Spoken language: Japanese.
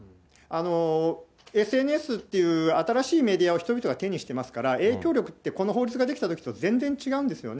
ＳＮＳっていう新しいメディアを人々が手にしてますから、影響力というのがこの法律ができたときと全然違うんですよね。